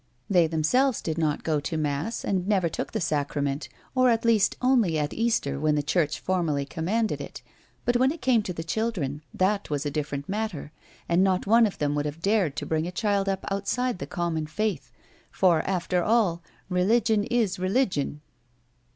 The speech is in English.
They them selves did not go to mass, and never took the sacrament, or at least, only at Easter when the church formally com manded it ; but when it came to the children, that was a different matter, and not one of them would have dared to 196 A WOMAN'S LIFE. bring a child up outside the commou faith, for, after all, " Religion is Religion."